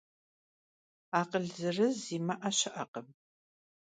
Akhıl zerız zimı'e şı'erkhım.